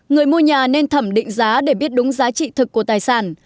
người mua nhà nên thẩm định giá để biết đúng giá trị thực của tài sản